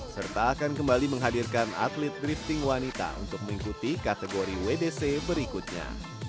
serta akan kembali menghadirkan atlet drifting wanita untuk mengikuti kategori wdc berikutnya